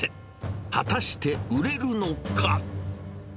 果たして売れるのか。